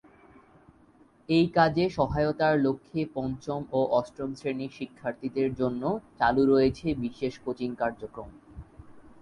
এই কাজে সহায়তার লক্ষ্যে পঞ্চম ও অষ্টম শ্রেণীর শিক্ষার্থীদের জন্য চালু রয়েছে বিশেষ কোচিং কার্যক্রম।